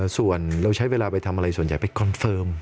ส่วนเราใช้เวลาไปทำอะไรส่วนใหญ่ไปคอนเฟิร์ม